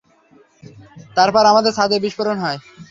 তারপর, আমাদের ছাদে বিস্ফোরন হয়।